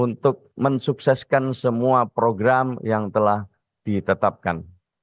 untuk mensukseskan semua program yang telah ditetapkan